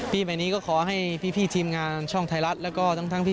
ปีใหม่นี้ก็ขอให้พี่ทีมงานช่องไทยรัฐแล้วก็ทั้งที่